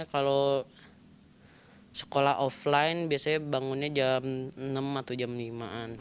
kalau sekolah offline biasanya bangunnya jam enam atau jam lima an